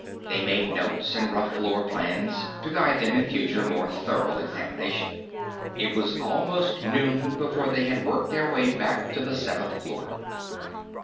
They made notes, and rough floor plans, to guide them in future more thorough examination; it was almost noon before they had worked their way back to the seventh floor.